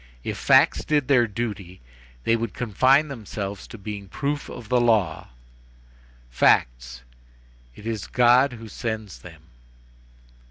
If facts did their duty, they would confine themselves to being proofs of the law; facts—it is God who sends them.